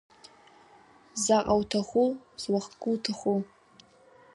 Заҟа уҭаху, зуахкы уҭаху!